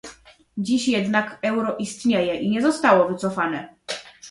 Dziś jednak euro istnieje i nie zostało wycofane